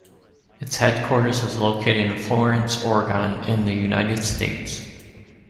Its headquarters is located in Florence, Oregon in the United States.